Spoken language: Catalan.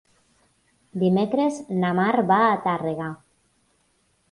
Dimecres na Mar va a Tàrrega.